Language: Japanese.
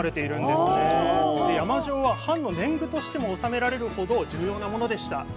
で山塩は藩の年貢としても納められるほど重要なものでした。